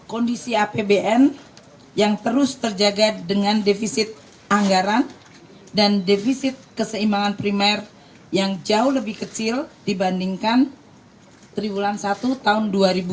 kondisi apbn yang terus terjaga dengan defisit anggaran dan defisit keseimbangan primer yang jauh lebih kecil dibandingkan triwulan satu tahun dua ribu dua puluh